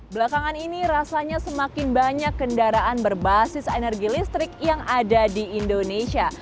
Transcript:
belakangan ini rasanya semakin banyak kendaraan berbasis energi listrik yang ada di indonesia